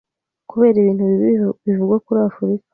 Kubera ibintu bibi bivugwa kuri Afurika